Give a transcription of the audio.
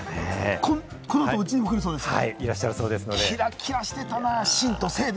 この後、うちにも来るそうですよ。